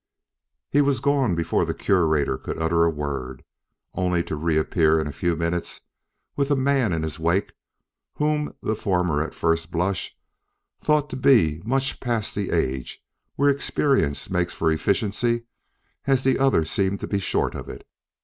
He was gone before the Curator could utter a word, only to reappear in a few minutes with a man in his wake whom the former at first blush thought to be as much past the age where experience makes for efficiency as the other seemed to be short of it.